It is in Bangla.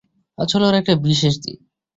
আজ হল ওর একটা বিশেষ দিন।